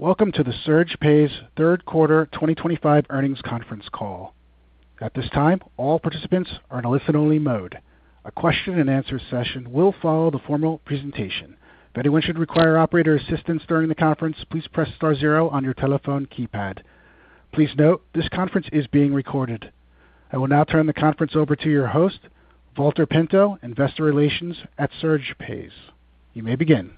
Welcome to the SurgePays third quarter 2025 earnings conference call. At this time, all participants are in a listen-only mode. A question-and-answer session will follow the formal presentation. If anyone should require operator assistance during the conference, please press star zero on your telephone keypad. Please note this conference is being recorded. I will now turn the conference over to your host, Valter Pinto, Investor Relations at SurgePays. You may begin.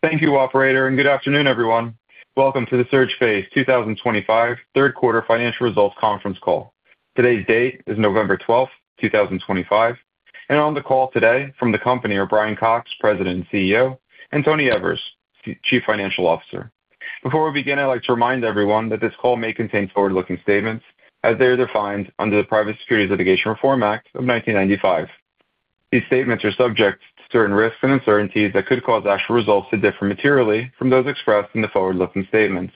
Thank you, Operator, and good afternoon, everyone. Welcome to the SurgePays 2025 third quarter financial results conference call. Today's date is November 12, 2025, and on the call today from the company are Brian Cox, President and CEO, and Tony Evers, Chief Financial Officer. Before we begin, I'd like to remind everyone that this call may contain forward-looking statements, as they are defined under the Private Securities Litigation Reform Act of 1995. These statements are subject to certain risks and uncertainties that could cause actual results to differ materially from those expressed in the forward-looking statements.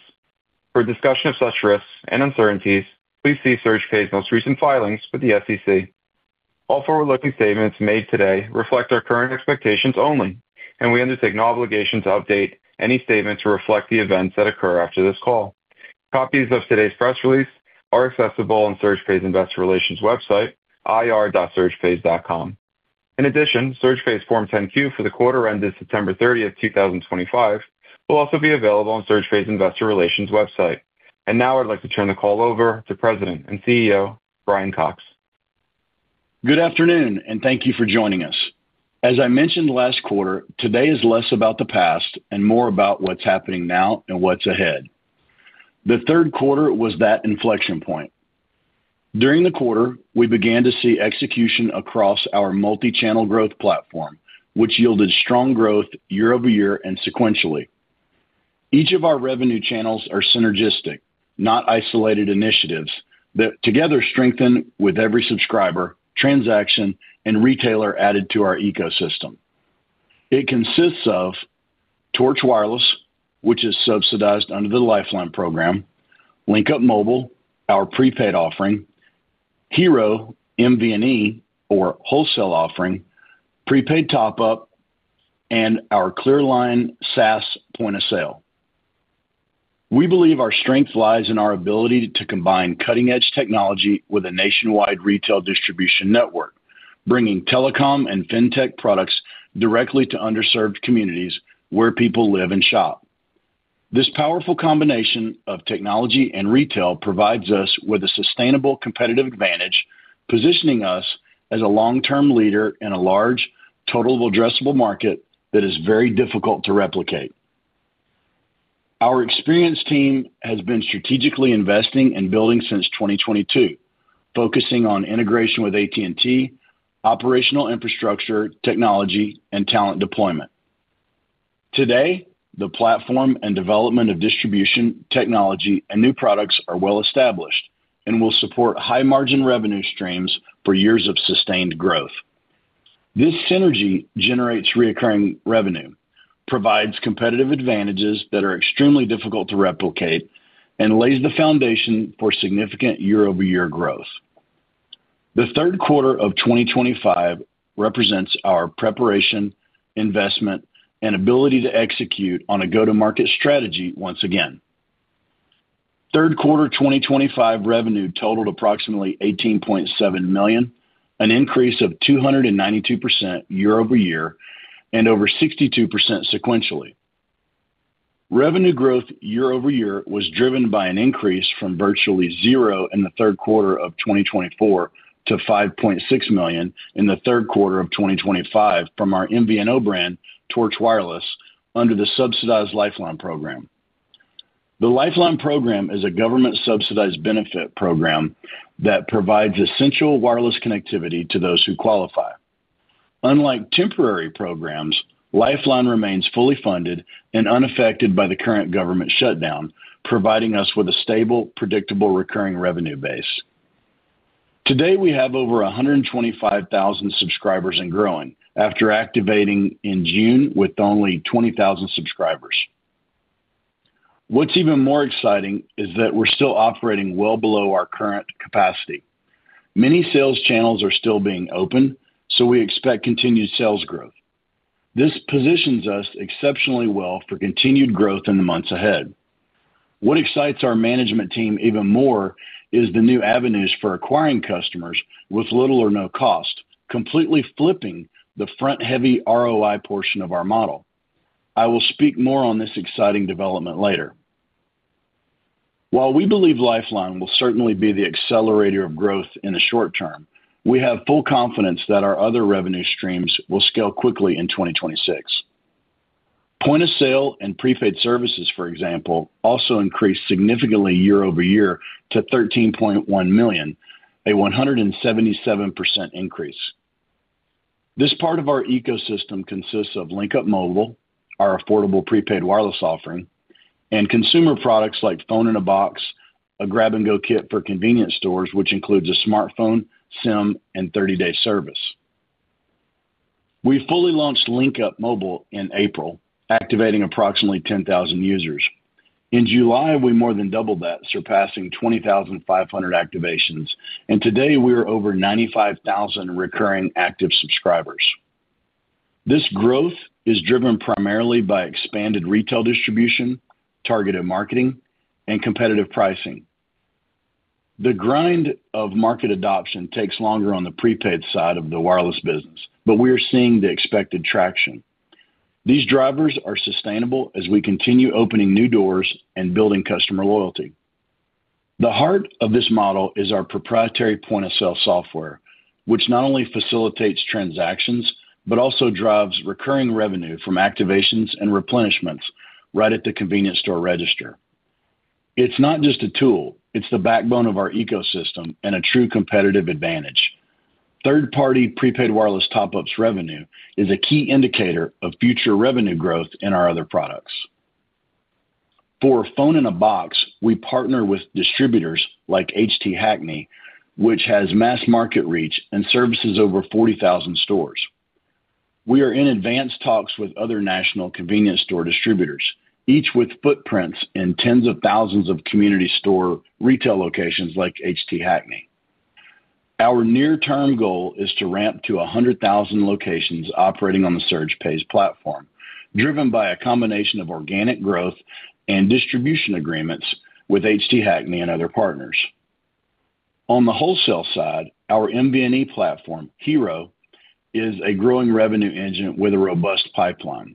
For discussion of such risks and uncertainties, please see SurgePays' most recent filings with the SEC. All forward-looking statements made today reflect our current expectations only, and we undertake no obligation to update any statements or reflect the events that occur after this call. Copies of today's press release are accessible on SurgePays Investor Relations' website, ir.surgepays.com. In addition, SurgePays Form 10Q for the quarter ended September 30, 2025, will also be available on SurgePays Investor Relations' website. I would like to turn the call over to President and CEO Brian Cox. Good afternoon, and thank you for joining us. As I mentioned last quarter, today is less about the past and more about what's happening now and what's ahead. The third quarter was that inflection point. During the quarter, we began to see execution across our multi-channel growth platform, which yielded strong growth year over year and sequentially. Each of our revenue channels are synergistic, not isolated initiatives that together strengthen with every subscriber, transaction, and retailer added to our ecosystem. It consists of Torch Wireless, which is subsidized under the Lifeline program; LinkUp Mobile, our prepaid offering; Hero MVNE, our wholesale offering; Prepaid Top-Up; and our Clearline SaaS point of sale. We believe our strength lies in our ability to combine cutting-edge technology with a nationwide retail distribution network, bringing telecom and fintech products directly to underserved communities where people live and shop. This powerful combination of technology and retail provides us with a sustainable competitive advantage, positioning us as a long-term leader in a large, total addressable market that is very difficult to replicate. Our experienced team has been strategically investing and building since 2022, focusing on integration with AT&T, operational infrastructure, technology, and talent deployment. Today, the platform and development of distribution technology and new products are well established and will support high-margin revenue streams for years of sustained growth. This synergy generates recurring revenue, provides competitive advantages that are extremely difficult to replicate, and lays the foundation for significant year-over-year growth. The third quarter of 2025 represents our preparation, investment, and ability to execute on a go-to-market strategy once again. Third quarter 2025 revenue totaled approximately $18.7 million, an increase of 292% year-over-year and over 62% sequentially. Revenue growth year-over-year was driven by an increase from virtually zero in the third quarter of 2024 to $5.6 million in the third quarter of 2025 from our MVNO brand, Torch Wireless, under the subsidized Lifeline program. The Lifeline program is a government-subsidized benefit program that provides essential wireless connectivity to those who qualify. Unlike temporary programs, Lifeline remains fully funded and unaffected by the current government shutdown, providing us with a stable, predictable recurring revenue base. Today, we have over 125,000 subscribers and growing after activating in June with only 20,000 subscribers. What's even more exciting is that we're still operating well below our current capacity. Many sales channels are still being open, so we expect continued sales growth. This positions us exceptionally well for continued growth in the months ahead. What excites our management team even more is the new avenues for acquiring customers with little or no cost, completely flipping the front-heavy ROI portion of our model. I will speak more on this exciting development later. While we believe Lifeline will certainly be the accelerator of growth in the short term, we have full confidence that our other revenue streams will scale quickly in 2026. Point of sale and prepaid services, for example, also increased significantly year-over-year to $13.1 million, a 177% increase. This part of our ecosystem consists of LinkUp Mobile, our affordable prepaid wireless offering, and consumer products like Phone in a Box, a grab-and-go kit for convenience stores, which includes a smartphone, SIM, and 30-day service. We fully launched LinkUp Mobile in April, activating approximately 10,000 users. In July, we more than doubled that, surpassing 20,500 activations, and today we are over 95,000 recurring active subscribers. This growth is driven primarily by expanded retail distribution, targeted marketing, and competitive pricing. The grind of market adoption takes longer on the prepaid side of the wireless business, but we are seeing the expected traction. These drivers are sustainable as we continue opening new doors and building customer loyalty. The heart of this model is our proprietary point of sale software, which not only facilitates transactions but also drives recurring revenue from activations and replenishments right at the convenience store register. It's not just a tool; it's the backbone of our ecosystem and a true competitive advantage. Third-party prepaid wireless top-ups revenue is a key indicator of future revenue growth in our other products. For Phone in a Box, we partner with distributors like H.T. Hackney, which has mass market reach and services over 40,000 stores. We are in advanced talks with other national convenience store distributors, each with footprints in tens of thousands of community store retail locations like H.T. Hackney. Our near-term goal is to ramp to 100,000 locations operating on the SurgePays platform, driven by a combination of organic growth and distribution agreements with H.T. Hackney and other partners. On the wholesale side, our MVNE platform, Hero, is a growing revenue engine with a robust pipeline.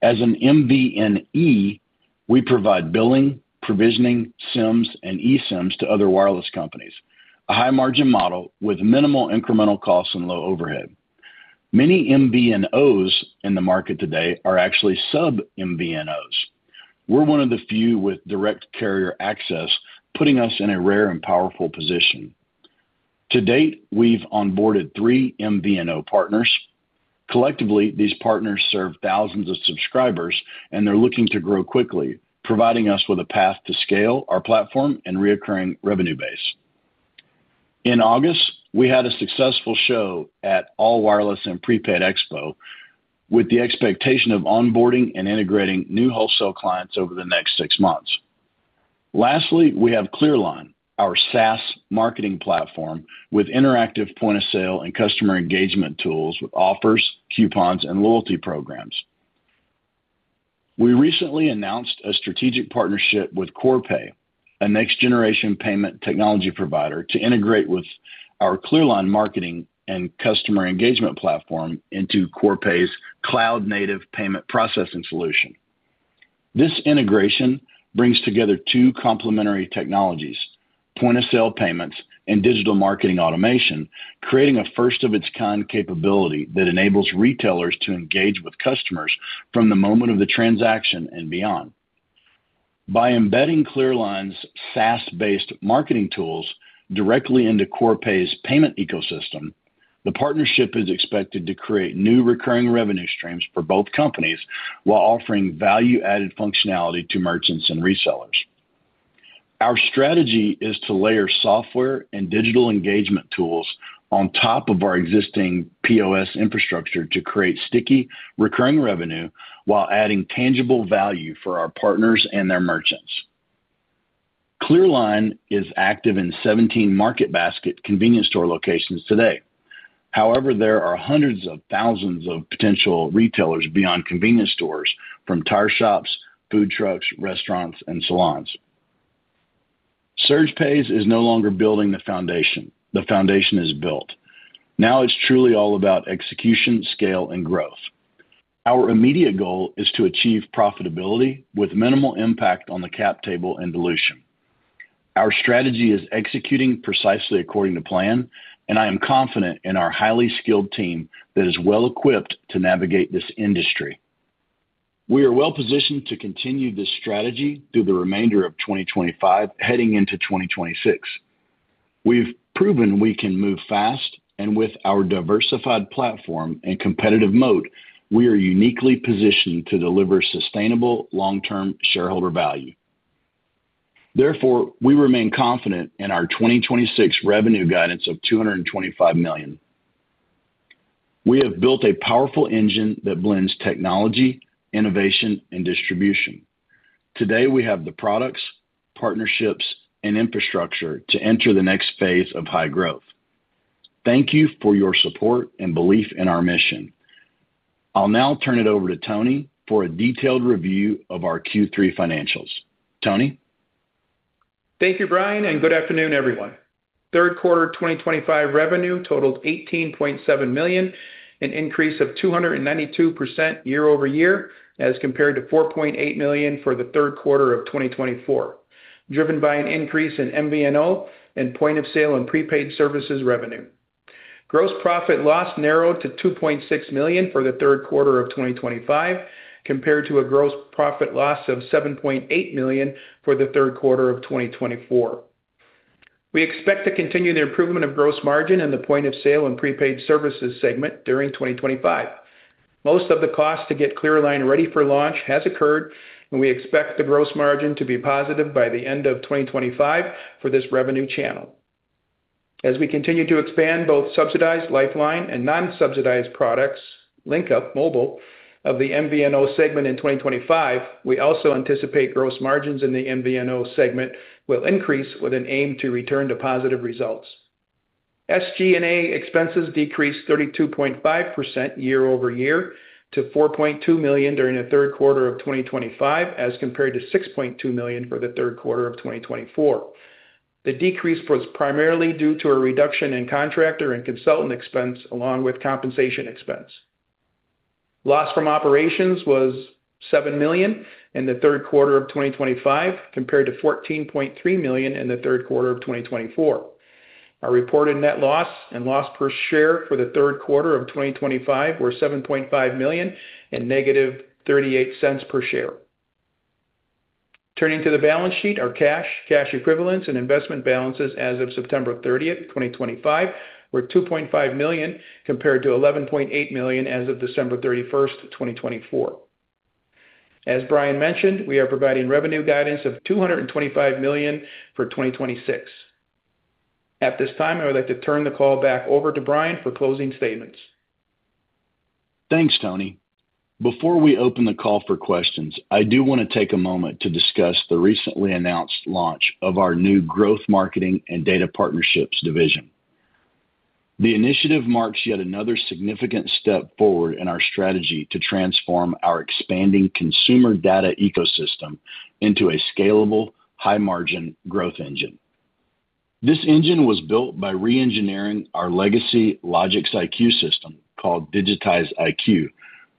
As an MVNE, we provide billing, provisioning, SIMs, and eSIMs to other wireless companies, a high-margin model with minimal incremental costs and low overhead. Many MVNOs in the market today are actually sub-MVNOs. We're one of the few with direct carrier access, putting us in a rare and powerful position. To date, we've onboarded three MVNO partners. Collectively, these partners serve thousands of subscribers, and they're looking to grow quickly, providing us with a path to scale our platform and recurring revenue base. In August, we had a successful show at All Wireless and Prepaid Expo with the expectation of onboarding and integrating new wholesale clients over the next six months. Lastly, we have Clearline, our SaaS marketing platform with interactive point of sale and customer engagement tools with offers, coupons, and loyalty programs. We recently announced a strategic partnership with Corpay, a next-generation payment technology provider, to integrate our Clearline marketing and customer engagement platform into Corpay's cloud-native payment processing solution. This integration brings together two complementary technologies: point of sale payments and digital marketing automation, creating a first-of-its-kind capability that enables retailers to engage with customers from the moment of the transaction and beyond. By embedding Clearline's SaaS-based marketing tools directly into Corpay's payment ecosystem, the partnership is expected to create new recurring revenue streams for both companies while offering value-added functionality to merchants and resellers. Our strategy is to layer software and digital engagement tools on top of our existing POS infrastructure to create sticky recurring revenue while adding tangible value for our partners and their merchants. Clearline is active in 17 market basket convenience store locations today. However, there are hundreds of thousands of potential retailers beyond convenience stores from tire shops, food trucks, restaurants, and salons. SurgePays is no longer building the foundation. The foundation is built. Now it's truly all about execution, scale, and growth. Our immediate goal is to achieve profitability with minimal impact on the cap table and dilution. Our strategy is executing precisely according to plan, and I am confident in our highly skilled team that is well-equipped to navigate this industry. We are well-positioned to continue this strategy through the remainder of 2025, heading into 2026. We've proven we can move fast, and with our diversified platform and competitive moat, we are uniquely positioned to deliver sustainable long-term shareholder value. Therefore, we remain confident in our 2026 revenue guidance of $225 million. We have built a powerful engine that blends technology, innovation, and distribution. Today, we have the products, partnerships, and infrastructure to enter the next phase of high growth. Thank you for your support and belief in our mission. I'll now turn it over to Tony for a detailed review of our Q3 financials. Tony? Thank you, Brian, and good afternoon, everyone. Third quarter 2025 revenue totaled $18.7 million, an increase of 292% year-over-year as compared to $4.8 million for the third quarter of 2024, driven by an increase in MVNO and point of sale and prepaid services revenue. Gross profit loss narrowed to $2.6 million for the third quarter of 2025, compared to a gross profit loss of $7.8 million for the third quarter of 2024. We expect to continue the improvement of gross margin in the point of sale and prepaid services segment during 2025. Most of the cost to get Clearline ready for launch has occurred, and we expect the gross margin to be positive by the end of 2025 for this revenue channel. As we continue to expand both subsidized Lifeline and non-subsidized products, LinkUp Mobile of the MVNO segment in 2025, we also anticipate gross margins in the MVNO segment will increase with an aim to return to positive results. SG&A expenses decreased 32.5% year-over-year to $4.2 million during the third quarter of 2025, as compared to $6.2 million for the third quarter of 2024. The decrease was primarily due to a reduction in contractor and consultant expense, along with compensation expense. Loss from operations was $7 million in the third quarter of 2025, compared to $14.3 million in the third quarter of 2024. Our reported net loss and loss per share for the third quarter of 2025 were $7.5 million and negative $0.38 per share. Turning to the balance sheet, our cash, cash equivalents, and investment balances as of September 30, 2025, were $2.5 million compared to $11.8 million as of December 31, 2024. As Brian mentioned, we are providing revenue guidance of $225 million for 2026. At this time, I would like to turn the call back over to Brian for closing statements. Thanks, Tony. Before we open the call for questions, I do want to take a moment to discuss the recently announced launch of our new Growth Marketing and Data Partnerships division. The initiative marks yet another significant step forward in our strategy to transform our expanding consumer data ecosystem into a scalable, high-margin growth engine. This engine was built by re-engineering our legacy Logix IQ system called Digitize IQ,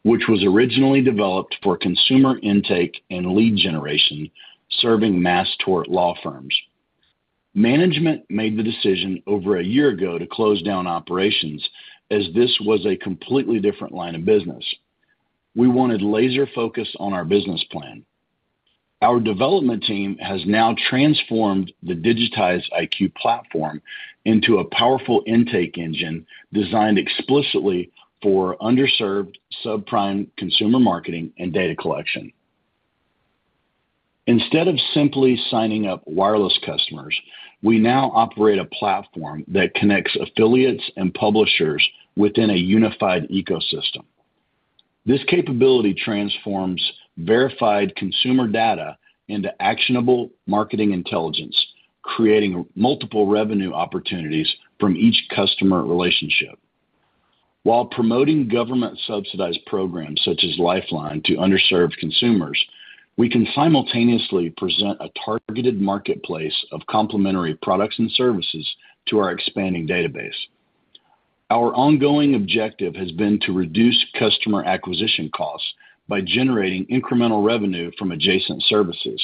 which was originally developed for consumer intake and lead generation, serving mass tort law firms. Management made the decision over a year ago to close down operations as this was a completely different line of business. We wanted laser focus on our business plan. Our development team has now transformed the Digitize IQ platform into a powerful intake engine designed explicitly for underserved subprime consumer marketing and data collection. Instead of simply signing up wireless customers, we now operate a platform that connects affiliates and publishers within a unified ecosystem. This capability transforms verified consumer data into actionable marketing intelligence, creating multiple revenue opportunities from each customer relationship. While promoting government-subsidized programs such as Lifeline to underserved consumers, we can simultaneously present a targeted marketplace of complementary products and services to our expanding database. Our ongoing objective has been to reduce customer acquisition costs by generating incremental revenue from adjacent services.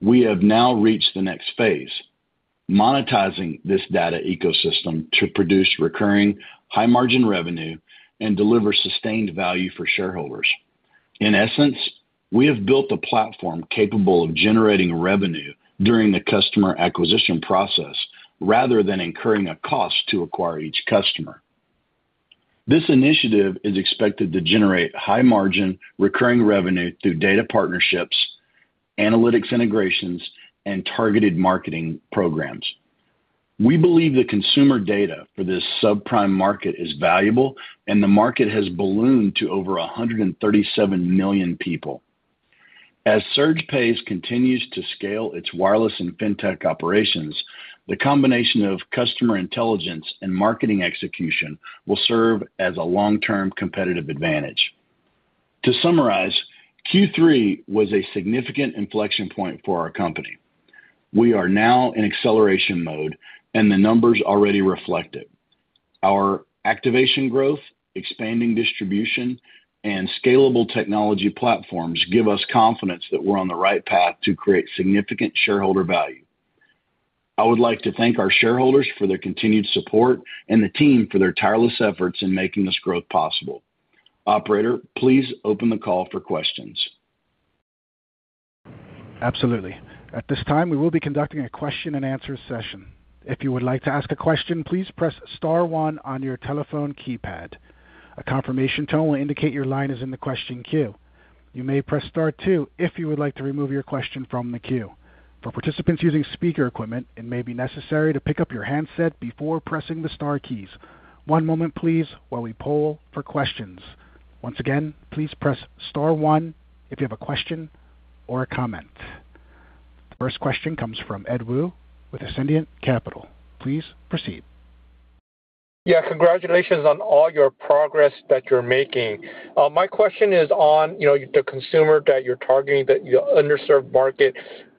We have now reached the next phase, monetizing this data ecosystem to produce recurring, high-margin revenue and deliver sustained value for shareholders. In essence, we have built a platform capable of generating revenue during the customer acquisition process rather than incurring a cost to acquire each customer. This initiative is expected to generate high-margin recurring revenue through data partnerships, analytics integrations, and targeted marketing programs. We believe the consumer data for this subprime market is valuable, and the market has ballooned to over 137 million people. As SurgePays continues to scale its wireless and fintech operations, the combination of customer intelligence and marketing execution will serve as a long-term competitive advantage. To summarize, Q3 was a significant inflection point for our company. We are now in acceleration mode, and the numbers already reflect it. Our activation growth, expanding distribution, and scalable technology platforms give us confidence that we're on the right path to create significant shareholder value. I would like to thank our shareholders for their continued support and the team for their tireless efforts in making this growth possible. Operator, please open the call for questions. Absolutely. At this time, we will be conducting a question-and-answer session. If you would like to ask a question, please press star one on your telephone keypad. A confirmation tone will indicate your line is in the question queue. You may press star two if you would like to remove your question from the queue. For participants using speaker equipment, it may be necessary to pick up your handset before pressing the Star keys. One moment, please, while we poll for questions. Once again, please press Star 1 if you have a question or a comment. The first question comes from Ed Woo with Ascendiant Capital. Please proceed. Yeah, congratulations on all your progress that you're making. My question is on the consumer that you're targeting, that underserved market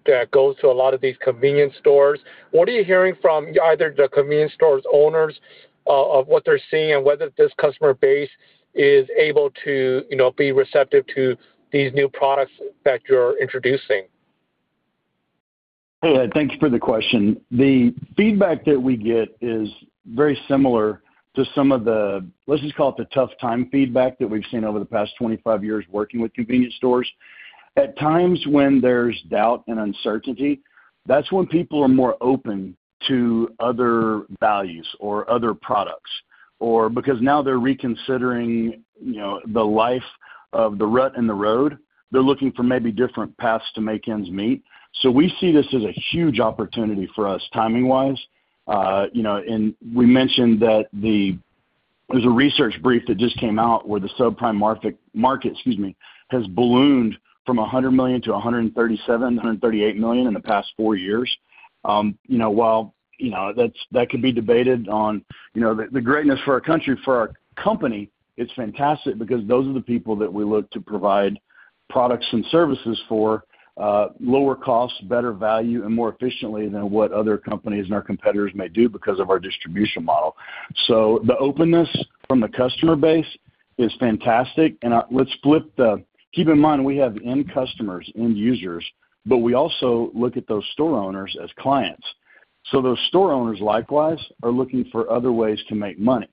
that goes to a lot of these convenience stores. What are you hearing from either the convenience store owners of what they're seeing and whether this customer base is able to be receptive to these new products that you're introducing? Hey, Ed, thank you for the question. The feedback that we get is very similar to some of the, let's just call it the tough-time feedback that we've seen over the past 25 years working with convenience stores. At times when there's doubt and uncertainty, that's when people are more open to other values or other products, or because now they're reconsidering the life of the rut in the road. They're looking for maybe different paths to make ends meet. We see this as a huge opportunity for us timing-wise. We mentioned that there's a research brief that just came out where the subprime market, excuse me, has ballooned from $100 million to $137-$138 million in the past four years. While that could be debated on the greatness for our country, for our company, it's fantastic because those are the people that we look to provide products and services for lower cost, better value, and more efficiently than what other companies and our competitors may do because of our distribution model. The openness from the customer base is fantastic. Let's flip the keep in mind we have end customers, end users, but we also look at those store owners as clients. Those store owners likewise are looking for other ways to make money.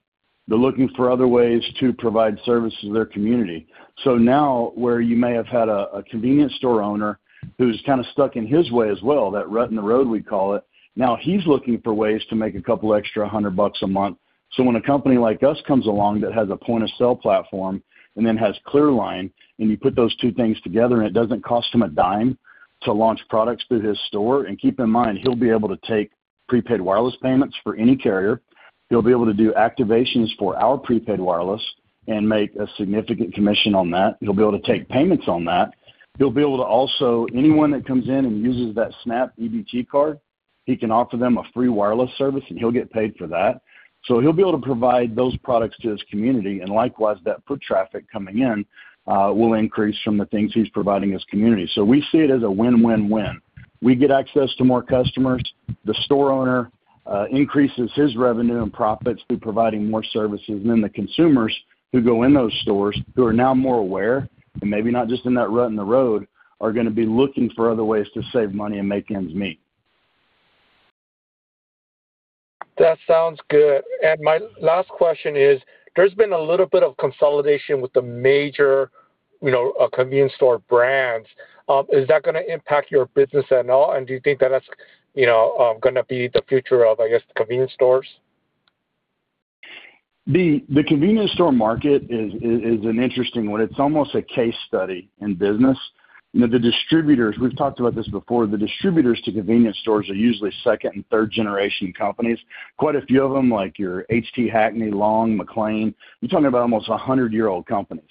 They're looking for other ways to provide services to their community. Now where you may have had a convenience store owner who's kind of stuck in his way as well, that rut in the road we call it, now he's looking for ways to make a couple extra $100 a month. When a company like us comes along that has a point of sale platform and then has Clearline, and you put those two things together, it does not cost him a dime to launch products through his store. Keep in mind, he'll be able to take prepaid wireless payments for any carrier. He'll be able to do activations for our prepaid wireless and make a significant commission on that. He'll be able to take payments on that. He'll also be able to, for anyone that comes in and uses that Snap EBT card, offer them a free wireless service, and he'll get paid for that. He'll be able to provide those products to his community. Likewise, that foot traffic coming in will increase from the things he's providing his community. We see it as a win-win-win. We get access to more customers. The store owner increases his revenue and profits through providing more services. The consumers who go in those stores, who are now more aware and maybe not just in that rut in the road, are going to be looking for other ways to save money and make ends meet. That sounds good. My last question is, there's been a little bit of consolidation with the major convenience store brands. Is that going to impact your business at all? Do you think that that's going to be the future of, I guess, the convenience stores? The convenience store market is an interesting one. It's almost a case study in business. The distributors, we've talked about this before, the distributors to convenience stores are usually second and third-generation companies. Quite a few of them, like your H.T. Hackney, Long, McLean, you're talking about almost 100-year-old companies.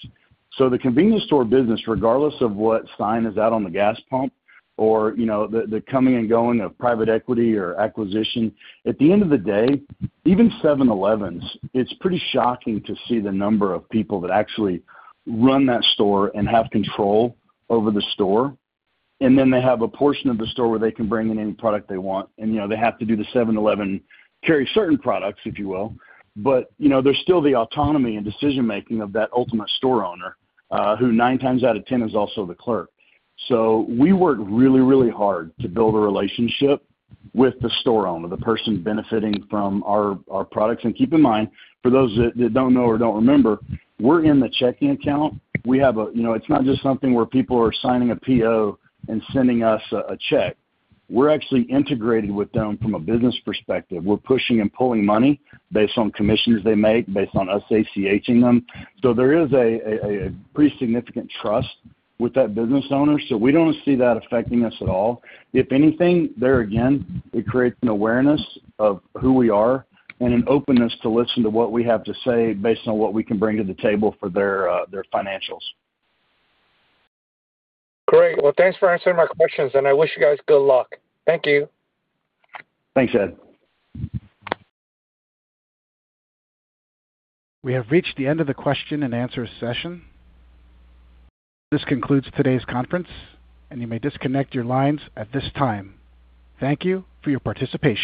The convenience store business, regardless of what sign is out on the gas pump or the coming and going of private equity or acquisition, at the end of the day, even 7-Elevens, it's pretty shocking to see the number of people that actually run that store and have control over the store. They have a portion of the store where they can bring in any product they want. They have to do the 7-Eleven carry certain products, if you will. There is still the autonomy and decision-making of that ultimate store owner who nine times out of ten is also the clerk. We work really, really hard to build a relationship with the store owner, the person benefiting from our products. Keep in mind, for those that do not know or do not remember, we are in the checking account. It is not just something where people are signing a PO and sending us a check. We are actually integrated with them from a business perspective. We are pushing and pulling money based on commissions they make, based on us ACHing them. There is a pretty significant trust with that business owner. We do not see that affecting us at all. If anything, there again, it creates an awareness of who we are and an openness to listen to what we have to say based on what we can bring to the table for their financials. Great. Thanks for answering my questions. I wish you guys good luck. Thank you. Thanks, Ed. We have reached the end of the question and answer session. This concludes today's conference, and you may disconnect your lines at this time. Thank you for your participation.